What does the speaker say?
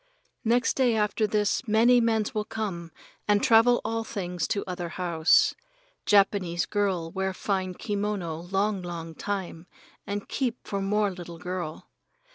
Next day after this many mens will come and travel all things to other house. Japanese girl wear fine kimono long, long time, and keep for more little girl.